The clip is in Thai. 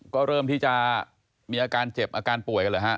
ก็เริ่มที่จะมีอาการเจ็บอาการป่วยกันเหรอฮะ